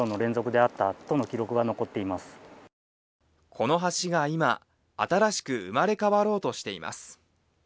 この橋が今、新しく生まれ変わろうとしています。